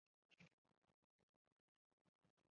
晋级跨洲附加赛。